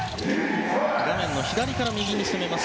画面の左から右に攻めます